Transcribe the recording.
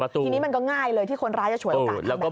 ทีนี้มันก็ง่ายเลยที่คนร้ายจะฉวยโอกาสทำแบบนี้